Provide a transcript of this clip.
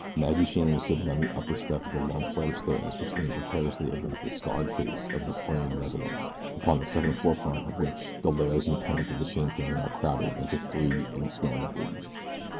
Maggie Shane was sitting on the upper step of the long flight of stairs which lean precariously against the scarred face of the frame residence upon the second floor front of which the lares and penates of the Shane family are crowded into three ill smelling rooms.